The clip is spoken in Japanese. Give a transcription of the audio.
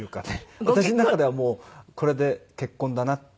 私の中ではもうこれで結婚だなって。